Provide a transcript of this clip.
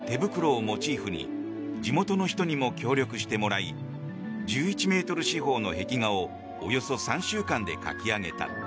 ウクライナの民話「てぶくろ」をモチーフに地元の人にも協力してもらい１１ｍ四方の壁画をおよそ３週間で描き上げた。